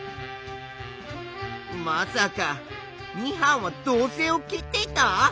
まさか２班は導線を切っていた？